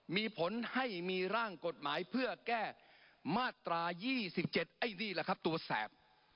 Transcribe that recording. มีผลให้มีร่างกฎหมายเพื่อแก้มาตรา๒๗ไอ้นี่แหละครับตัวแสบ